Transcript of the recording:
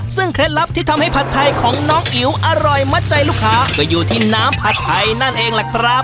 ซึ่งเคล็ดลับที่ทำให้ผัดไทยของน้องอิ๋วอร่อยมัดใจลูกค้าก็อยู่ที่น้ำผัดไทยนั่นเองล่ะครับ